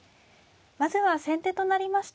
まずは先手となりました